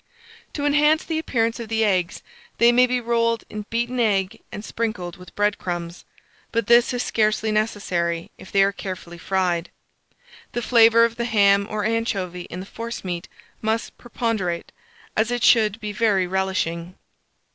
To enhance the appearance of the eggs, they may be rolled in beaten egg and sprinkled with bread crumbs; but this is scarcely necessary if they are carefully fried. The flavour of the ham or anchovy in the forcemeat must preponderate, as it should be very relishing.